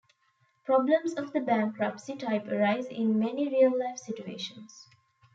Problems of the bankruptcy type arise in many real life situations.